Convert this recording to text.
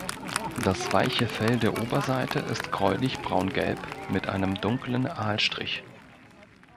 Das weiche Fell der Oberseite ist gräulich-braungelb mit einem dunklen Aalstrich.